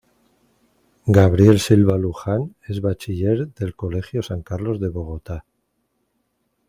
Gabriel Silva Luján es bachiller del colegio San Carlos de Bogotá.